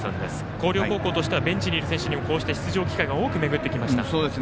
広陵高校としてはベンチにいる選手にはこうして出場機会が多く巡ってきました。